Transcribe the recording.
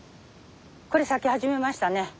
これ咲き始めましたね。